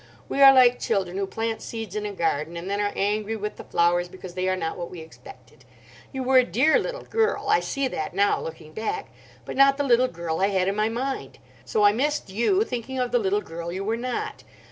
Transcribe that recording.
We are like children who plant seeds in a garden, and then are angry with the flowers because they are not what we expected. You were a dear little girl; I see that now, looking back. But not the little girl I had in my mind. So I missed you, thinking of the little girl you were not.